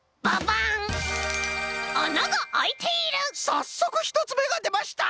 さっそくひとつめがでました！